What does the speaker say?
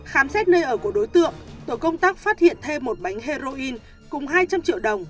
khám xét nơi ở của đối tượng tổ công tác phát hiện thêm một bánh heroin cùng hai trăm linh triệu đồng